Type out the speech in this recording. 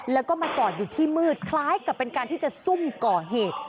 แล้วก็มาจอดอยู่ที่มืดคล้ายกับเป็นการที่จะซุ่มก่อเหตุ